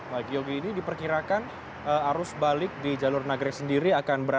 baik yogi ini diperkirakan arus balik di jalur nagrek sendiri akan berakhir